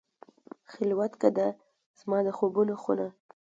خلوتکده، زما د خوبونو خونه